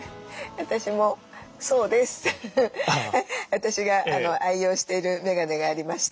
私が愛用しているメガネがありまして